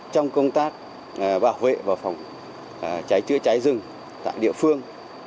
trong công tác bảo vệ và phòng cháy chữa cháy rừng tại địa phương